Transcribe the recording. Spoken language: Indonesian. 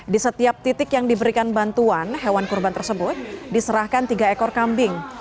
di setiap titik yang diberikan bantuan hewan kurban tersebut diserahkan tiga ekor kambing